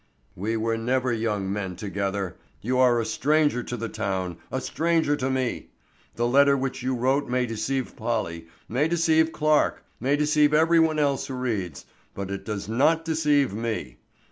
"We were never young men together. You are a stranger to the town, a stranger to me. The letter which you wrote may deceive Polly, may deceive Clarke, may deceive every one else who reads, but it does not deceive me.